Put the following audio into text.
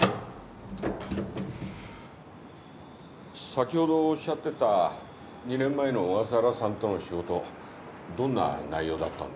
先ほどおっしゃってた２年前の小笠原さんとの仕事どんな内容だったんですか？